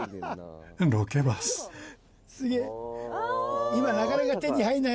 すげえ。